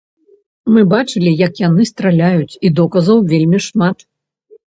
Мы бачылі, як яны страляюць, і доказаў вельмі шмат.